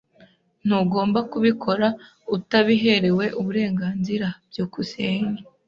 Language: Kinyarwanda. Ntugomba kubikora utabiherewe uburenganzira. byukusenge